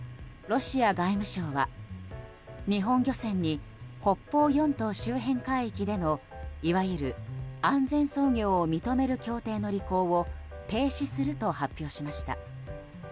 ロシア外務省は日本漁船に北方四島周辺海域でのいわゆる安全操業を認める協定の履行を停止すると発表しました。